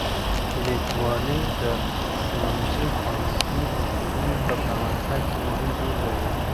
لیکوالی د ښوونځي، پوهنتون او ټولنې په پرمختګ کې مهم رول لري.